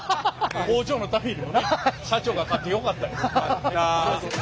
工場のためにもね社長が勝ってよかったです。